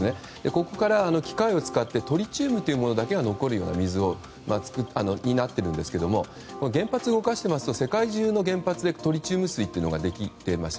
ここから機械を使ってトリチウムだけが残るような水になっているんですけども原発を動かしていますと世界中の原発でトリチウム水ができています。